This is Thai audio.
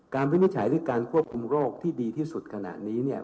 วินิจฉัยหรือการควบคุมโรคที่ดีที่สุดขณะนี้เนี่ย